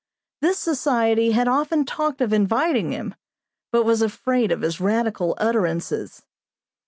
This society had often talked of inviting him, but was afraid of his radical utterances.